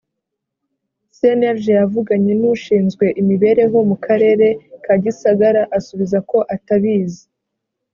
cnlg yavuganye n ushinzwe imibereho mu karere ka gisagara asubiza ko atabizi